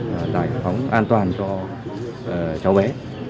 và giải phóng an toàn cho cháu bé